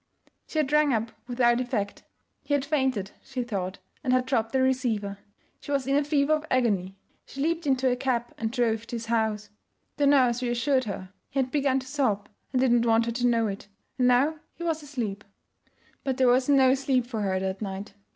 She had rung up without effect. He had fainted, she thought, and had dropped the receiver. She was in a fever of agony. She leaped into a cab and drove to his house. The nurse reassured her; he had begun to sob and did not want her to know it, and now he was asleep. But there was no sleep for her that night.